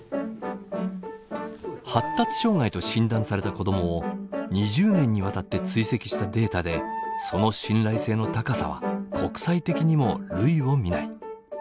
発達障害と診断された子どもを２０年にわたって追跡したデータでその信頼性の高さは国際的にも類を見ない。